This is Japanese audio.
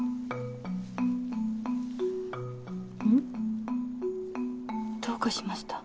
ん？どうかしました？